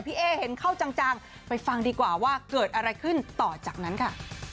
เอ๊เห็นเข้าจังไปฟังดีกว่าว่าเกิดอะไรขึ้นต่อจากนั้นค่ะ